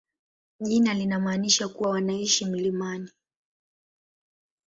Jina linamaanisha kuwa wanaishi milimani.